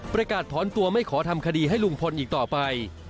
ประกาศถอนตัวไม่ขอทำคดีให้ลุงพลอีกต่อไป